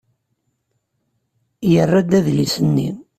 Yerra-d adlis-nni.